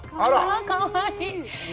かわいい。